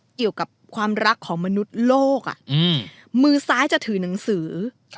เกี่ยวกับความรักของมนุษย์โลกมือซ้ายจะถือหนังสือ